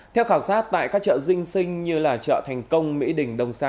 theo khảo sát tại các chợ dinh sinh như là chợ thành công mỹ đình đông sa